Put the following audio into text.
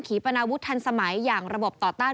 ปนาวุธทันสมัยอย่างระบบต่อต้าน